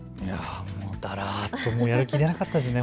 だらっとやる気出なかったですね。